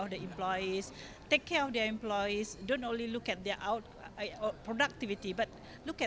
tidak hanya melihat produktivitas mereka